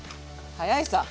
早いさ。